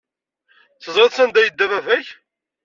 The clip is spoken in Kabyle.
Teẓriḍ sanda ay yedda baba-k?